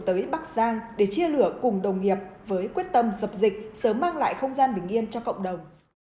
tới bắc giang để chia lửa cùng đồng nghiệp với quyết tâm dập dịch sớm mang lại không gian bình yên cho cộng đồng